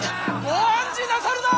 ご案じなさるな！